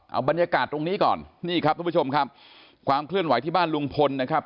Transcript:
เอาบรรยากาศตรงนี้ก่อนนี่ครับทุกผู้ชมครับความเคลื่อนไหวที่บ้านลุงพลนะครับ